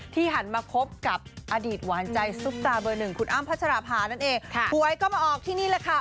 หันมาคบกับอดีตหวานใจซุปตาเบอร์หนึ่งคุณอ้ำพัชราภานั่นเองค่ะหวยก็มาออกที่นี่แหละค่ะ